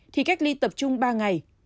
thì cách ly tập trung ba ngày